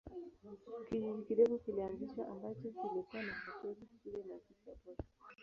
Kijiji kidogo kilianzishwa ambacho kilikuwa na hoteli, shule na ofisi ya posta.